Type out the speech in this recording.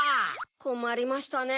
こまりましたね。